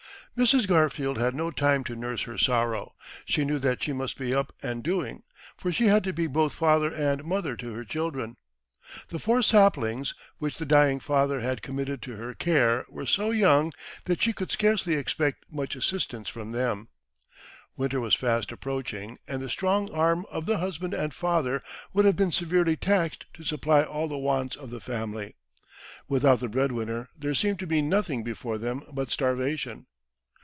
Mrs. Garfield had no time to nurse her sorrow. She knew that she must be up and doing, for she had to be both father and mother to her children. "The four saplings" which the dying father had committed to her care were so young that she could scarcely expect much assistance from them. Winter was fast approaching, and the strong arm of the husband and father would have been severely taxed to supply all the wants of the family. Without the breadwinner there seemed to be nothing before them but starvation.